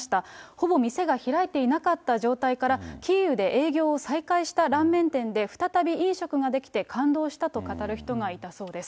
ほぼ店が開いていなかった状態から、キーウで営業を再開したラーメン店で再び飲食ができて、感動したと語る人がいたそうです。